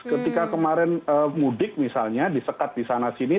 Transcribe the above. ketika kemarin mudik misalnya disekat disana sini